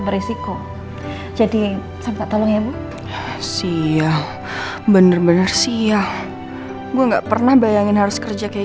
berisiko jadi sampai tolong ya bu siyah bener bener siyah gue nggak pernah bayangin harus kerja kayak